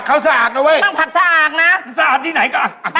เห็นมันมีปัญหานุกนี้นั่ง